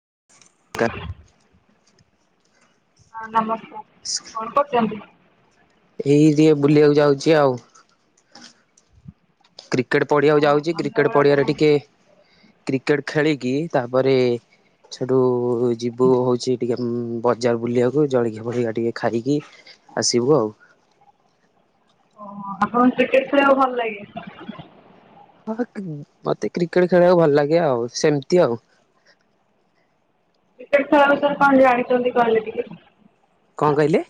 [inaudible] ହଁ ନମସ୍କାର, କଣ କରୁଛନ୍ତି? ଏଇ ଟିକେ ବୁଲିବାକୁ ଯାଉଛି ଆଉ। କ୍ରିକେଟ୍ ପଡିଆକୁ ଓହୋ ଯାଉଛି କ୍ରିକେଟ୍ ସନ୍ଧ୍ୟାବେଳେ ପଡିଆରେ ଆପଣ ଟିକେ କ୍ରିକେଟ୍ ଖେଳିକି ତାପରେ ସେଠୁଉ-ଉ ଯିବୁ ହଉଛି ଟିକେ ଉମ୍ ବଜାର ବୁଲିବାକୁ ଜଳଖିଆ ଫଳିିକିଆ ଟିକେ ଖାଇକି ଆସିବୁ ଆଉ ଓହୋଃ, ଆପଣଙ୍କୁ କ୍ରିକେଟ ଖେଳିବାକୁ ଭଲ ଲାଗେ? ହଁ-ହଁ ମତେ କ୍ରିକେଟ ଖେଳିବାକୁ ଭଲ ଲାଗେ ଆଉ ସେମିତି ଆଉ କିକ୍ରେଟ୍ ଖେଳ ବିଷୟରେ କଣ ଜାଣିଛନ୍ତି କହିଲେ ଟିକେ? କଣ କହିଲେ?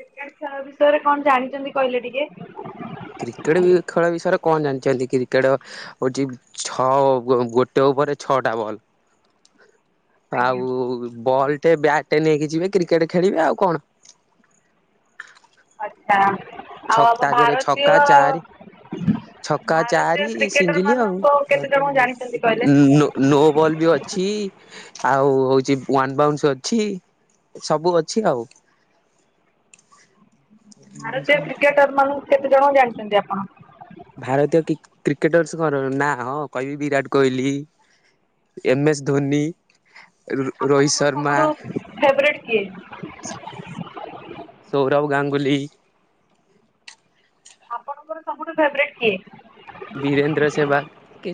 କିକ୍ରେଟ୍ ଖେଳ ବିଷୟରେ କଣ ଜାଣିଛନ୍ତି କହିଲେ ଟିକେ? କ୍ରିକେଟ ଖେଳ ବିଷୟରେ କଣ ଜାଣିଛନ୍ତି, କ୍ରିକେଟ ହଉଛି ଛଅ ଗୋଟେ ଓ ଓଭରରେ ଛଅଟା ବଲ୍ ଆଜ୍ଞା ଆଉ-ଉ ବଲ୍ ଗୋଟେ ବ୍ୟାଟ୍ ନେଇକି ଯିବେ କ୍ରିକେଟ ଖେଳିବେ ଆଉ କଣ ଆଚ୍ଛା ଛ ଆଉ ଆମ ତା ଦେହରେ ଭାରତୀୟ ଛକା ଚାରି ଛକା ଭାରତୀୟ ଚାରି କ୍ରିକେଟର ସିଙ୍ଗିଲ ଆଉ ମାନଙ୍କୁ କେତେ ଜଣଙ୍କୁ ଜାଣିଛନ୍ତି କହିଲେ? ନୋ ବଲ ବି ଅଛି। [inaudible] ଆଉ ହଉଛି ୱାନ୍ ବାଉନ୍ସ ଅଛି ସବୁ ଅଛି ଆଉ [inaudible] କିକ୍ରେଟର ମାନଙ୍କୁ କେତେ ଜଣ ଜାଣିଛନ୍ତି ଆପଣ? ଭାରତୀୟ କ୍ରିକେ କ୍ରିକେଟର୍ସଙ୍କର ନାଁ ହଁ କହିବି ବିରାଟ କୋହିଲି ଏମ ଏସ୍ ଧୋନି, ରୋ ରୋହିତ ଆପଣଙ୍କର ଶର୍ମା ସବୁଠୁ ଫେବରେଟ କିଏ ସୌରଭ ଗାଙ୍ଗୁଲି ଆପଣଙ୍କର ସବୁଠୁ ଫେବ୍ରେଟ୍ କିଏ? ବୀରେନ୍ଦ୍ର ସେହବାଗ୍।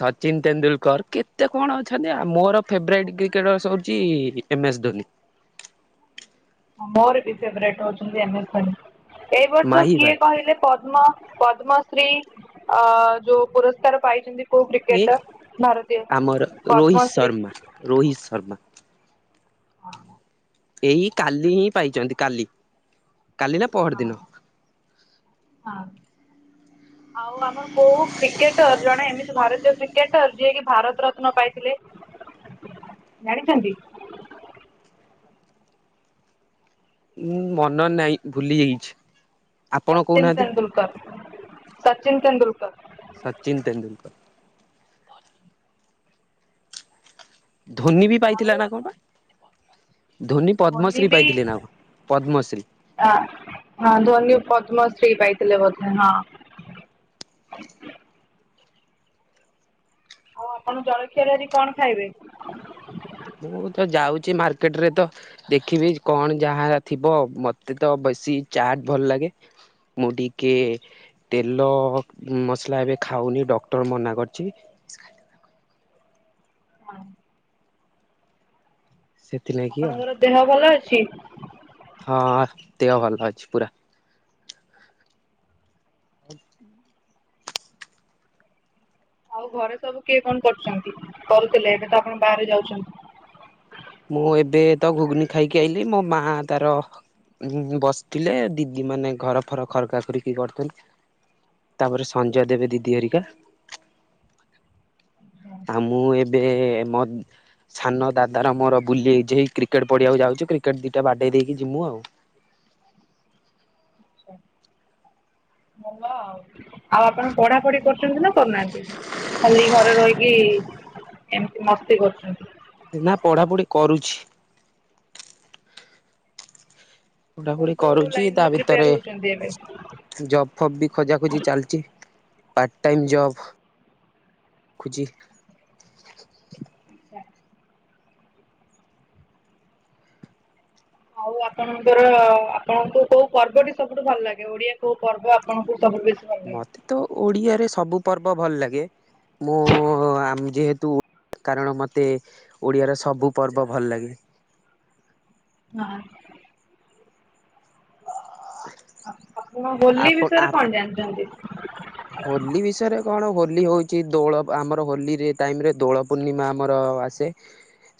ସଚିନ ତେନ୍ଦୁଲକର୍, କେତେ କଣ ଅଛନ୍ତି ଆ ମୋର ଫେବରାଇଟ୍ କ୍ରିକେଟର୍ସ ହଉଛି ଏମ୍ ଏସ୍ ଧୋନି। ମୋର ବି ଫେଭରାଇଟ୍ ହଉଛନ୍ତି ଏମ୍ ଏସ୍ ଧୋନି ଏ ବର୍ଷ ମାହି କିଏ ଭାଇ କହିଲେ ପଦ୍ମ ପଦ୍ମଶ୍ରୀ ଅ-ଅ ଯୋଉ ପୁରସ୍କାର ପାଇଛନ୍ତି କୋଉ ଏ କ୍ରିକେଟର୍, ଭାରତୀୟ ଆମର ରୋହିତ ପଦ୍ମଶ୍ରୀ ଶର୍ମା ରୋହିତ ଶର୍ମା ହଁ। ଏଇ କାଲି ହିଁ ପାଇଛନ୍ତି କାଲି। କାଲି ନା ପହର ଦିନ ହଁ। ଆଉ ଆମର କୋଉ କ୍ରିକେଟର୍ ଜଣେ ଏମିତି ଭାରତୀୟ କ୍ରିକେଟର ଯିଏକି ଭାରତ ରତ୍ନ, ପାଇଥିଲେ ଜାଣିଛନ୍ତି? ଉଁ ମନ ନାଇଁ ଭୁଲି ଯାଇଛି। ଆପଣ ସଚିନ କହୁନାହାନ୍ତି ତେନ୍ଦୁଲକର, ସଚିନ ତେନ୍ଦୁଲକର। ସଚିନ ତେନ୍ଦୁଲକର। ଧୋନି ବି ପାଇଥିଲା ଆଉ ନା କଣ ପା ଧୋନି ପଦ୍ମଶ୍ରୀ ପାଇଥିଲେ ନା କଣ? ପଦ୍ମଶ୍ରୀ ହାଁ ହଁ ଧ୍ୱନି ପଦ୍ମଶ୍ରୀ ପାଇ ଥିଲେ ବୋଧେ ହଁ। ଆଉ ଆପଣ ଜଳଖିଆର ଆଜି କଣ ଖାଇବେ? ମୁଁ ତ ଯାଉଛି ମାର୍କେଟ ରେ ତ ଦେଖିବି କଣ ଯାହା ଥିବ ମତେ ତ ବେଶୀ ଚାଟ ଭଲ ଲାଗେ ମୁଁ ଟିକେ ତେଲ ମସଲା ଏବେ ଖାଉନି ଡକ୍ଟର ମନା କରିଛି। ହୁଁ। ସେଥିଲାଗି ଆଉ ଆପଣଙ୍କର ଦେହ ଭଲ ଅଛି? ହଁ ଦେହ ଭଲ ଅଛି ପୁରା। [inaudible] [inaudible] ଆଉ ଘରେ ସବୁ କିଏ କଣ କରୁଛନ୍ତି କରୁଥିଲେ ଏବେ ତ ଆପଣ ବାହାରେ ଯାଉଛନ୍ତି? ମୁଁ ଏବେ ତ ଗୁଗୁନୀ ଖାଇକି ଆଇଲିି ମୋ ମା ତାର ବସିଥିଲେ ଦିଦି ମାନେ ଘର ଫର ଖରକା ଖରିକି କରୁଥିଲେ। ତାପରେ ସଞ୍ଜ ଦେବେ ଦିଦି ହେରିକା। [inaudible] ଆଉ ମୁଁ ଏବେ ମୋ ସାନ ଦାଦାର ମୋର ବୁଲି ଯେ କ୍ରିକେଟ ପଢିବାକୁ ଯାଉ କ୍ରିକେଟ ଦିଟା ବାଡେଇ ଦେଇକି ଯିମୁ ଆଉ। [inaudible] ହଁ ଆଉ ଆପଣ ପଢାପଢି କରୁଛନ୍ତି ନା କରୁନାହାନ୍ତି? ଖାଲି ଘରେ ରହିକି ଏମିତି ମସ୍ତି କରୁଛନ୍ତି? ନା ପଢାପଢି କରୁଛି। [inaudible] ଆପଣ ପଢାପୁଢି କୋଉ କରୁଛି ତା ଲାଇନରେ ଭିତରେ ପ୍ରିପେୟାର ହଉଛନ୍ତି ଏବେ? ଏ ଜବ୍ ଫବ୍ ବି ଖୋଜା ଖୋଜି ଚାଲିଛି। ପାର୍ଟ ଟାଇମ୍ ଜବ୍ [inaudible] ଖୋଜି [inaudible] ଆଉ ଆପଣଙ୍କର ଆପଣଙ୍କୁ କୋଉ ପର୍ବଟି ସବୁଠୁ ଭଲ ଲାଗେ ଓଡିଆ କୋଉ ପର୍ବ ଆପଣଙ୍କୁ ସବୁଠୁ ବେଶୀ ଭଲ ଲାଗେ? ମତେ ତ ଓଡିଆରେ ସବୁ ପର୍ବ ଭଲ ଲାଗେ। ମୁଁ ଉଁ ଉଁ ଆମ୍ ଯେହେତୁ କାରଣ ମତେ ଓଡିଆର ସବୁ ପର୍ବ ଭଲ ଲାଗେ। [inaudible] ନାଁ। [inaudible] ଆପଣ ହୋଲି ଆପଣ ବିଷୟରେ କଣ ଜାଣିଛନ୍ତି? ହୋଲି ବିଷୟରେ କଣ ହୋ ହୋଲି ହୋଉଛି ଦୋଳ ଆମର ହୋଲି ଟାଇମ୍ ରେ ଦୋଳ ପୂର୍ଣ୍ଣିମା ଆମର ଆସେ।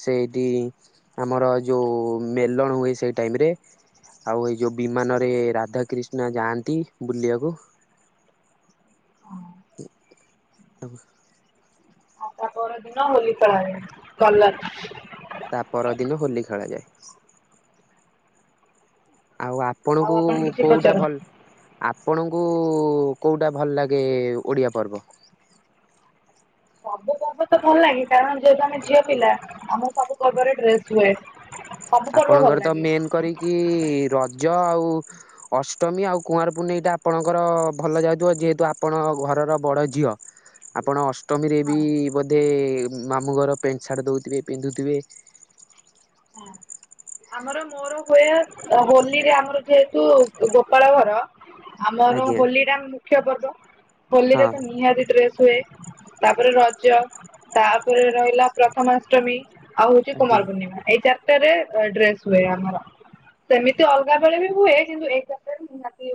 ସେଇଠି ଆମର ଯୋଉ ମେଲଣ ହୁଏ ସେଇ ଟାଇମ ରେ ଆଉ ଏଇ ଯୋଉ ବିମାନରେ ରାଧା କ୍ରିଷ୍ଣା ଯାଆନ୍ତି ବୁଲିବାକୁ। [inaudible] ଆଉ ତା ପର ଦିନ ହୋଲି ଖେଳା ଯାଏ କାଲା ତା ପର ଦିନ ହୋଲି ଖେଳାଯାଏ। [inaudible] ଆଉ ଆଉ ଆପଣଙ୍କୁ ଆପଣ କିଛି କୋଉଟା ପଚାର ଭଲ୍ ଆପଣଙ୍କୁ କୋଉଟା ଭଲ ଲାଗେ ଓଡିଆ ପର୍ବ? [inaudible] ସବୁ ପର୍ବ ତ ଭଲ ଲାଗେ କାରଣ ଯେହେତୁ ଆମେ ଝିଅ ପିଲା ଆମ ସବୁ ପର୍ବରେ ଡ୍ରେସ୍ ହୁଏ। ସବୁ ପର୍ବ ଭଲ ଆପଣଙ୍କର ତ ଲାଗେ ମେନ୍ କରିକି ର ଯ ଆଉ ଅଷ୍ଟମୀ ଆଉ କୁଆଁର ପୂନେଇ ଟା ଆପଣଙ୍କର ଭଲ ଯାଉଥିବ ଯେହେତୁ ଆପଣ ଘ ର ବଡ ଝିଅ ଆପଣ ଅଷ୍ଟ ଷ୍ଟମୀରେ ବି ହଁ ବୋଧେ ମାମୁଁ ଘର ପ୍ୟାଣ୍ଟ ସାର୍ଟ ଦୋଉଥିବେ ପିନ୍ଧୁଥିବେ ହଁ। ଆମର ମୋର ହୁଏ ହୋଲିରେ ଆମର ଯେହେତୁ ଗୋପାଳ ଘର ଆମର ଆଜ୍ଞା ହୋଲିଟା ମୁଖ୍ୟ ପର୍ବ ହଁ ହୋଲିରେ ତ ନିହାତି ଡ୍ରେସ୍ ହୁଏ। ତାପରେ ରଜ ତାପରେ ରହି ହେଲା ପ୍ରଥମାଷ୍ଟମୀ ଆଉ ହୋଉଛି ଆଜ୍ଞା କୁମାର ପୂର୍ଣ୍ଣିମା ଏଇ ଚାରିଟାରେ ଡ୍ରେସ ହୁଏ ଆମର। ସେମିତି ଅଲଗା ବେଳେ ବି ହୁଏ କିନ୍ତୁ ଏକାଗ୍ର ବି ନିହାତି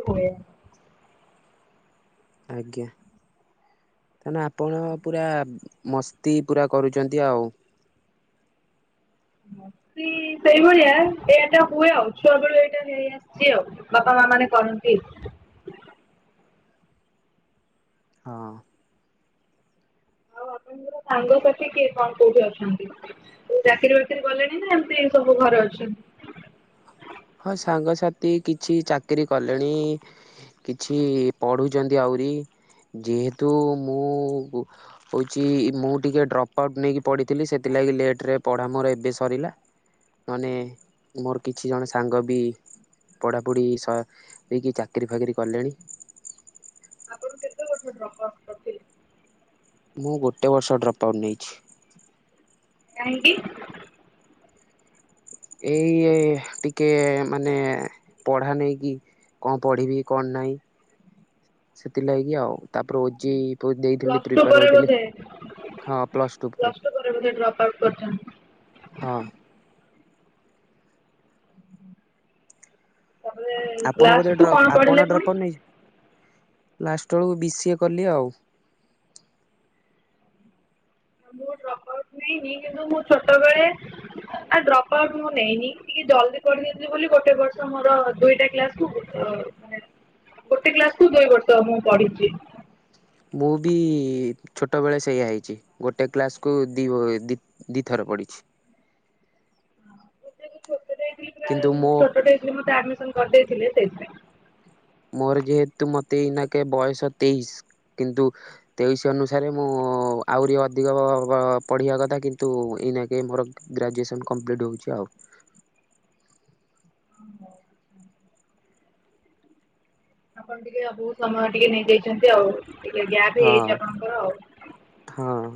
ଆଜ୍ଞା। ତା ଆପଣ ପୁରା ମସ୍ତି ପୁରା କରୁଛନ୍ତି ଆଉ। ମସ୍ତି ସେଇଭଳିଆ, ଏଆତ ହୁଏ ଆଉ ଛୁଆବେଳୁ ଏଇଟା ହେଇ ଆସିଛି, ଆଉ ବାପା ମା ମାନେ କରନ୍ତି। [inaudible] ହଁ [inaudible] ମୋର ସାଙ୍ଗ ସାଥି କିଏ କଣ କୋଉଠି ଅଛନ୍ତି? ଚାକିରି ବାକିରି କଲେଣି ନା ଏମିତି ସବୁ ଘରେ ଛ [unintelligible] ହଁ, ସାଙ୍ଗସାଥି କିଛି ଚାକିରି କଲେଣି କିଛି ପଢୁଛନ୍ତି ଆହୁରି ଯେହେତୁ ମୁଁ ହଉଛି ମୁଁ ଟିକେ ଡ୍ରପ୍ ଆଉଟ୍ ନେଇକି ପଡିଥିଲି, ସେଥିଲା ଲେଟରେ ପଢା ମୋର ଏବେ ସରିଲା, ନହେନେ ମର କିଛି ଜଣ ସାଙ୍ଗ ସାଙ୍ଗ ବି ପଢ଼ାପଢ଼ି ସ ହେଇକି ଚାକିରି ଫାକିରି କଲେଣି। ଆପଣ? [unintelligible] ମୁଁ ଗୋଟେ ବର୍ଷ ଡ୍ରପ୍ ଆଉଟ୍ ନେଇଛି। କାହିଁକି? ଏଇ ଏ ଟିକେ ମାନେ ପଢା ନେଇକି କଣ ପଢିବି, କଣ ନାହିଁ। ସେଥିଲାଗି ଆଉ। ତାପରେ ଓ ଜେ ଇ ପକ୍ ଦେଇଥିଲି ପ୍ରିପାର ହୋଇଥିଲି। ପ୍ଲସ ଟୁ ପରେ ମଧ୍ୟ ଡ୍ରପ୍ ଆଉଟ୍ କରିଚନ୍ତି? ହଁ। ତାପରେ ଆପଣ ବୋଧେ ଲାଷ୍ଟ କୁ ଡ୍ର କଣ ପଢିଲେ ଆପଣ ପୁଣି? ଡ୍ରପ ଆଉ ନେଇ ଲାଷ୍ଟ ବେଳକୁ ବି ସି ଏ କଲି ଆଉ। ନାଇଁ ନାଇଁ, କିନ୍ତୁ ମୁଁ ଛୋଟ ବେଳେ ଆ ଡ୍ରପ୍ ଆଉଟ ମୁଁ ନେଇନି। ଟିକେ ଜଲଦି କରିଦେଇଥିଲି ବୋଲି ଗୋଟେ ବର୍ଷ ମୋର ଦୁଇଟା କ୍ଲାସ୍ କୁ ଅ ମାନେ ଗୋଟେ କ୍ଲାସକୁୁ ଦୁଇ ବର୍ଷ ମୁଁ ପଢିଛି। ମୁଁ ବି ଛୋଟବେଳେ ସେୟା ହେଇଛି। ଗୋଟେ କ୍ଲାସକୁୁ ଦିବ ଦି ଦିଥର ପଡ଼ିିଚି। [inaudible] [unintelligible] ଛୋଟଟେ ଥିଲି ମତେ ଆଡ୍ମିସନ କରିଦେଇଥିଲେ ସେଇଥି ପାଇଁ। ମୋର ଯେହେତୁ ମତେ ଏଇନାକେ ବୟସ ତେଇଶି କିନ୍ତୁ ତେଇଶି ଅନୁସାରେ ମୁଁ ଆହୁରି ଅଧିକ ଅ ଅ ପଢିବା କଥା, କିନ୍ତୁ ଏଇନାକେ ମୋର ଗ୍ରାଜୁଏସନ୍ କମ୍ପ୍ଲିଟ୍ ହଉଚି ଆଉ। ଆପଣ ଟିକେ ଅ ବହୁତ ସମୟ ଟିକେ ନେଇଯାଇଛନ୍ତି ଆଉ। ଟିକେ ଗ୍ୟାପ୍ ହଁ ହେଇାଇଛି ଆପଣଙ୍କର ଆଉ। ହଁ।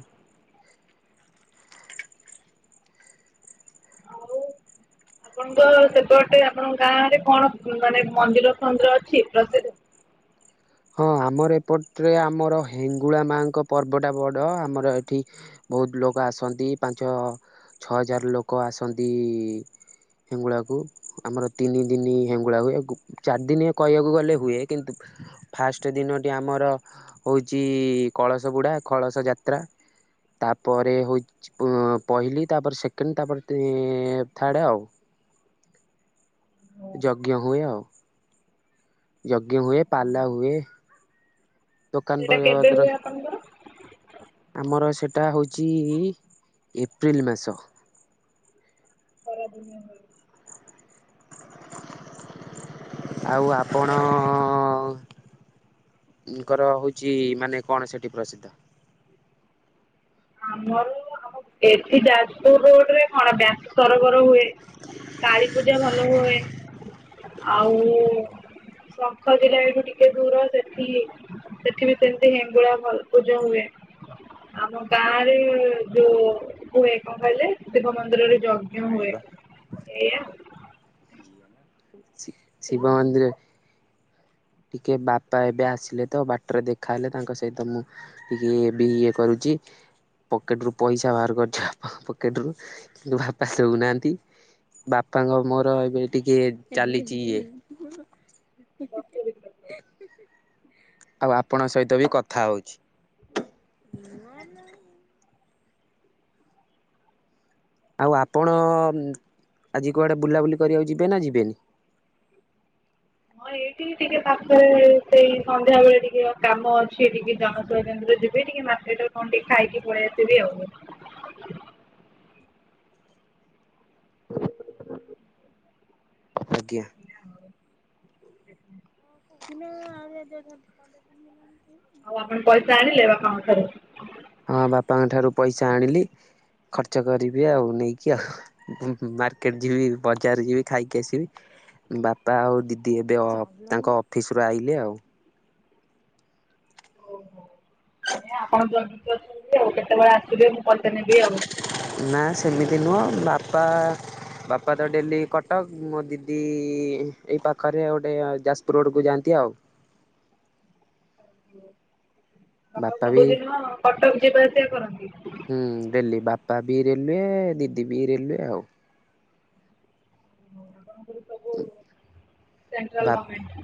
ଆଉ [unintelligible] ଆପଣଙ୍କ ସେପଟେ ଆପଣଙ୍କ ଗାଁ ରେ କଣ ମାନେ ମନ୍ଦିର ଫନ୍ଦିର ଅଛି ପ୍ରସିଦ୍ଧ। ହଁ ଆମର ଏପଟ୍ରେ ଆମର ହେଙ୍ଗୁଳା ମାଙ୍କ ପର୍ବ ଟା ବଡ ଆମର ଏଠି ବହୁତ ଲୋକ ଆସନ୍ତି, ପାଞ୍ଚ ଛଅ ହଜାର ଲୋକ ଆସନ୍ତି। ହେଙ୍ଗୁଳା କୁ, ଆମର ତିନି ଦିନି ହେଙ୍ଗୁଳା ହୁଏ ଗୁ ଚାରି ଦିନି କହିବାକୁ ଗଲେ ହୁଏ କିନ୍ତୁ [inaudible] ଫାଷ୍ଟ ଦିନଟି ଆମର ହଉଚି କଳସ ବୁଡ଼ା, କଳସ ଯାତ୍ରା। ତାପରେ ହଉଚି ପହିଲି, ତାପରେ ସେକେଣ୍ଡ, ତାପରେ ତି ଥାର୍ଡ ଆଉ। ଯଜ୍ଞ ହୁଏ ଆଉ। ଯଜ୍ଞ ହୁଏ, ପାଲା ହୁଏ। ଦୋକାନ ସେଇଟା କେବେ ପରିଅଦ୍ର ହୁଏ ଆପଣଙ୍କର? ଆମର ସେ, ଟା ହଉଚି ଏପ୍ରିଲ୍ ମାସ। ଖରା ଦିନ ହଁ। ଆଉ ଆପଣ ଙ୍କର ହଉଛି ମାନେ କଣ ସେଠି ପ୍ରସଦ୍ଧ? ଆମର ଆମ ଏଠି ଯାଜପୁର ରୋଡରେ କଣ ବ୍ୟାଶ୍ ସରବର ହୁଏ। କାଳୀ ପୂଜା ଭଲ ହୁଏ। ହଁ ଆଉ ଶଙ୍ଖ ଜିଲା ଏଠୁ ଟିକେ ଦୂର ସେଠି ସେଠି ବି ସେମିତି ହେଙ୍ଗୁଳା ଭଲ ପୂଜା ହୁଏ ଆମ ଗାଁ ରେ ଯୋଉ ହୁଏ କଣ କହିଲେ ଶିବ ମନ୍ଦିରରେ ଯଜ୍ଞ ହୁଏ ଏଇୟା। ଶି ଶିବ ମନ୍ଦିରେ। ଟିକେ ବାପା ଏବେ ଆସିଲେ ତ ବାଟରେ ଦେଖାହେଲେ ତାଙ୍କ ସହିତ ମୁଁ ଟିକେ ବି ଇଏ କରୁଚି। ପକେଟ ରୁ ପଇସା ବାହାର କରିଛି ବାପାଙ୍କ ପକେଟ ରୁ କିନ୍ତୁ ବାପା ଶୋଉନାହାନ୍ତି। ବାପାଙ୍କ ମୋର ଏବେ ଟିକେ ଚାଲିଛି ଇଏ। [unintelligible] ଆଉ ଆପଣଙ୍କ ସହିତ ବି କଥା ହଉଛି। ଆଉ ଆପଣ ମ ଆଜି କୁଆଡ଼େ ବୁଲାବୁଲି କରିବାକୁ ଯିବେ ନା ଯିବେନି। [inaudible] ସେଇଠି ଟିକେ ପାଖରେ ସେଇ ସନ୍ଧ୍ୟା ବେଳେ ଟିକେ କାମ ଅଛି ଟିକି ଜନସବା କେନ୍ଦ୍ରରେ ଯିବେ ଟିକ୍ କି ମାର୍କେଟରେ କଣ ଟିକେ ଖାଇକି ପଳେଇ ଆସିବି ଆଉ। ଆଛ [unintelligible] ଆଜ୍ଞା। ଏତିକି ନା ଆଉ ରେଜେଲ୍ଟ ରଖିଥାନ୍ତେ? ଆଉ ଆପଣ ପଇସା ଆଣିଲେ ବାପାଙ୍କ ଠାରୁ? ହଁ ବାପାଙ୍କ ଠାରୁ ପଇସା ଆଣିଲି। ଖର୍ଚ୍ଚ କରିବି ଆଉ ନେଇକି ଆଉ ହୁଁ ହୁଁ ମାର୍କେଟ ଯିବି ବଜାର ଯିବି ଖାଇକି ଆସିବି। ବାପା ଆଉ ଦିଦି ଏବେ ଅ ତାଙ୍କ ଅଫିସ୍‌ ରୁ ଆଇଲେ ଆଉ। ଆପଣ ଜଗିଇକି ବସି ବେ ଆଉ କେତେବେଳେ ଆସିବେ ମୁଁ କରବି? ନା ସେମିତି ନୁହଁ ବାପା ବାପା ତ ଡେଲି କଟକ ମୋ ଦିଦି ଏଇ ପାଖରେ ଆଉ ଗୋଟେ ଯାଜପୁର ରୋଡ କୁ ଯାଆନ୍ତି। [unintelligible] ବାପା ବି ସବୁଦିନ କଟକ ଯିବା ଆସିବା କରନ୍ତି। ହୁଁ ଡିଲ୍ଲି ବା ବାପା ବି ରେଲୱେ ଦିଦି ବି ରେଲୱେ ଆଉ। [inaudible] ଉଁ ସେଣ୍ଟ୍ରାଲ ବାପ୍ ଗଭର୍ଣ୍ଣମେଣ୍ଟ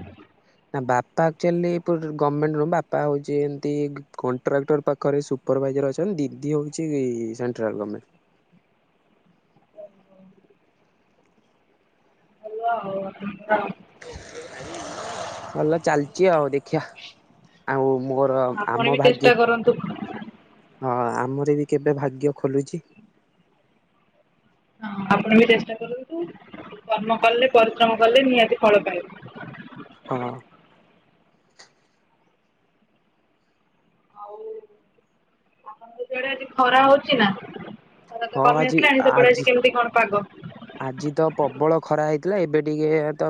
ନା ବାପ୍ ପା ଆକ୍ଚୋଲି ପୂର୍ ଗମେଣ୍ଟେ ନୁହୁଁ ବାପା ହୋଉଚିନ୍ତି କଣ୍ଟ୍ରାକ୍ଟର ପାଖରେ ସୁପର୍ ଭାଇଯାର୍ ଅଛନ୍ତି। ଦିଦି ହଉଛି ସେଣ୍ଟ୍ରଲ ଗମେଣ୍ଟ। [unintelligible] ଭଲ ଚାଲିଛି ଆଉ ଇହା ଆଉ ମୋର ଆପଣ ଆମ ବି ଚେଷ୍ଟା ଭାଗ୍ୟ କରନ୍ତୁ। ହଁ ହଁ ଆମର ବି କେବେ ଭାଗ୍ୟ ଖୋଲୁଛି? ହଁ ଆପଣ ବି ଚେଷ୍ଟା କରନ୍ତୁ। କର୍ମ କଲେ ପରିଶ୍ରମ କଲେ ନିହାତି ଫଳ ପାଇବେ। ହଁ। ଆଉ ଆପଣଙ୍କ ଆଡେ ଆଜି ଖରା ହଉଛି ନା। ଖରା ତ ହଁ କମି ଆଜି ଆସିଲାଣି ସେପଟେ ଆଜି କେମିତି କଣ ପାଗ? ଆଜି ତ ପ୍ରବଳ ଖରା ହେଇ ଥିଲା ଏବେ ଟିକେ ତ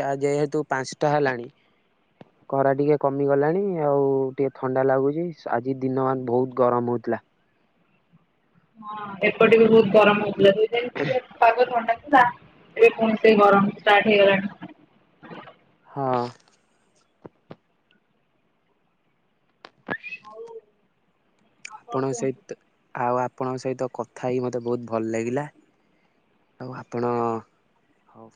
ଚା ଯେହେତୁ ପାଞ୍ଚଟା ହେଲାଣି। ଖରା ଟିକେ କମିଗଲାଣି ଆଉ ଟିକେ ଥଣ୍ଡା ଲାଗୁଛି ଆଜି ଦିନ ମାନ ବହୁତ ଗରମ ହେଉଛି। ପ୍ଲା ହଁ ଏପଟେ ବି ବହୁତ ଗରମ ହଉଥିଲା, ଦୁଇ ଦିନ ଟିକେ ପାଗ ଥଣ୍ଡା ନା ଏବେ କୌଣସି ଗରମ ଷ୍ଟାର୍ଟ ହେଇଗଲାଣି। ହଁ ହୋଉ ଆପଣଙ୍କ ସହିତ ଆଉ ଆପଣଙ୍କ ସହିତ କଥା ହେଇ ମୋତେ ବହୁତ ଭଲ ଲାଗିଲା ଆଉ ଆପଣ ହଉ